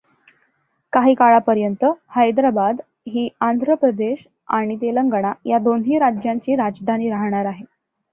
काही काळापर्यंत हैदराबाद ही अांध्र प्रदेश आणि तेलंगणा या दोन्ही राज्यांची राजधानी राहणार आहे.